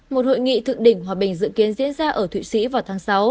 một hội nghị thượng đỉnh hòa bình dự kiến diễn ra ở thụy sĩ vào tháng sáu